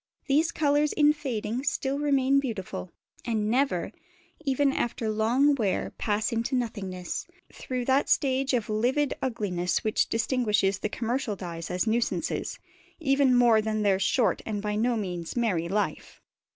These colours in fading still remain beautiful, and never, even after long wear, pass into nothingness, through that stage of livid ugliness which distinguishes the commercial dyes as nuisances, even more than their short and by no means merry life.